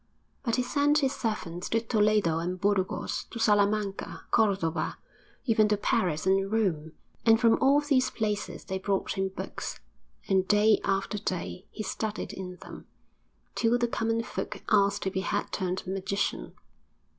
But he sent his servants to Toledo and Burgos, to Salamanca, Cordova, even to Paris and Rome; and from all these places they brought him books and day after day he studied in them, till the common folk asked if he had turned magician.